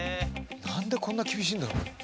何でこんな厳しいんだろう？